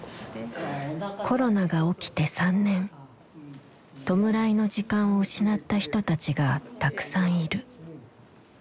コロナが起きて３年弔いの時間を失った人たちがたくさんいる。